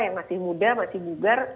yang masih muda masih bugar